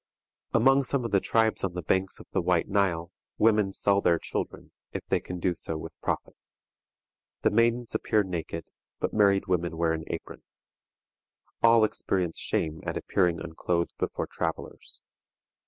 Among some of the tribes on the banks of the White Nile, women sell their children, if they can do so with profit. The maidens appear naked, but married women wear an apron. All experience shame at appearing unclothed before travelers.